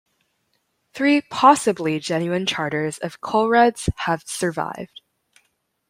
Three possibly genuine charters of Ceolred's have survived.